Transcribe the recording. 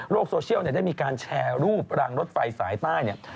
โลกโซเชียลได้มีการแชร์รูปรางรถไฟสายใต้